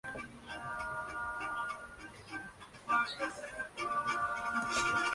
Israel se clasificó automáticamente por ser país anfitrión.